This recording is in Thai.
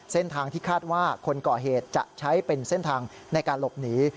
เส้นทางที่คาดว่าคนก่อเหตุจะใช้เป็นเส้นทางในการหลบหนี